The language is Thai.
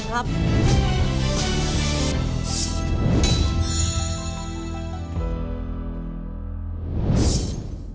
คำถามมีอยู่ว่า